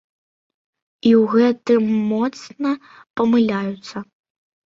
І ў гэтым моцна памыляюцца.